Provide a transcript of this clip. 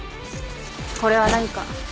これは何か。